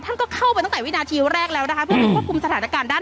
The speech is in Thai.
ท่านก็เข้าไปตั้งแต่วินาทีแรกแล้วนะคะเพื่อไปควบคุมสถานการณ์ด้าน